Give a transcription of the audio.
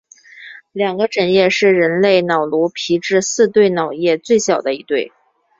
两个枕叶是人类脑颅皮质四对脑叶最小的一对。